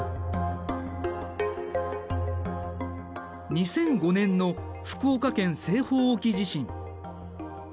２００５年の福岡県西方沖地震。